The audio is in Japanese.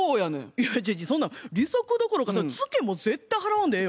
いやいやそんなん利息どころかツケも絶対払わんでええよ。